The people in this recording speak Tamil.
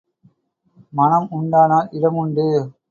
மனம் உண்டானால் இடம் உண்டு.